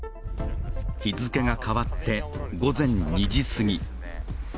日付が変わって午前２時すぎ。